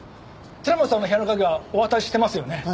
寺本さんの部屋の鍵はお渡ししてますよね？